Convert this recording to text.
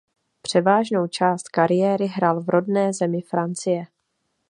Převážnou část kariéry hrál v rodné zemi Francie.